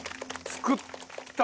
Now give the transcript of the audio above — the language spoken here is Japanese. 作った。